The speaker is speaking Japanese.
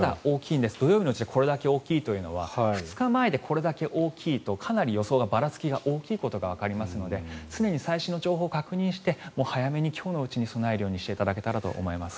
土曜日の時点でこれだけ大きいということは２日前でこれだけ大きいとかなり予想のばらつきが大きいことがわかりますので常に最新の情報を確認して早めに今日のうちに備えるようにしていただければと思います。